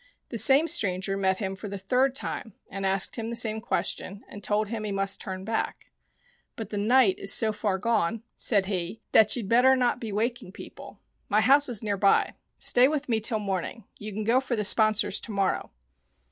The same stranger met him for the third time, and asked him the same question, and told him he must turn back. " But the night is so far gone," 8 Tales of the Fairies said he, " that you'd better not be waking people. My house is near by. Stay with me till morning. You can go for the sponsors to morrow."